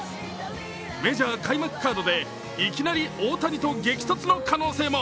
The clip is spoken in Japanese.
メジャー開幕カードでいきなり大谷と激突の可能性も。